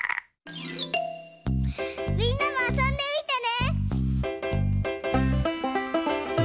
みんなもあそんでみてね！